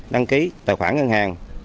đăng ký tài khoản ngân hàng